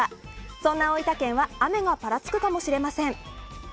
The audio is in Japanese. そんな大分県は雨がぱらつくかもしれません。